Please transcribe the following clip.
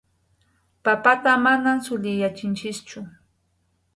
Papata manam suliyachinchikchu.